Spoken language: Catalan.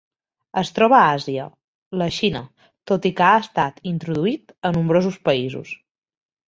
Es troba a Àsia: la Xina, tot i que ha estat introduït a nombrosos països.